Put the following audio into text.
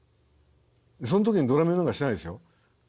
その時にドラミングなんかしないですよ。